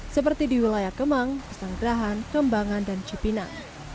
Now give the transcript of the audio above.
seperti di wilayah kemang pesanggerahan kembangan dan cipinang